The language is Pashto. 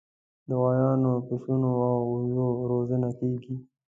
د غویانو، پسونو او وزو روزنه کیږي.